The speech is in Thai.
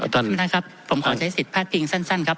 ท่านประธานครับผมขอใช้สิทธิพลาดพิงสั้นครับ